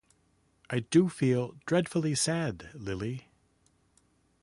I do feel dreadfully sad, Lillie.